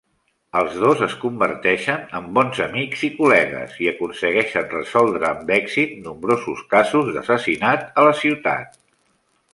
Els dos es converteixen en bons amics i col·legues i aconsegueixen resoldre amb èxit nombrosos casos d'assassinat a la ciutat.